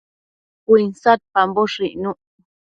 Uinsadpamboshë icnuc